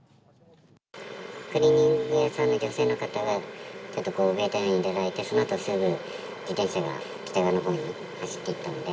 クリーニング屋さんの女性の方が、ちょっと表に出られて、そのあとすぐ、自転車が北側のほうに走っていったので。